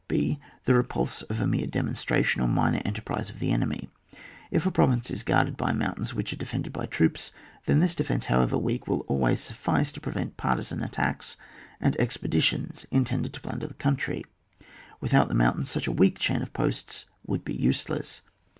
h. The repulse of a mere demonstration or minor enterprise of the enemy. If a province is guarded by mountains which are defended by troops, then this defence, however weak, will always suffice to pre vent partisan attacks and expeditions intended to plunder the coimtry. With out the mountains, such a weak chain of posts would be useless.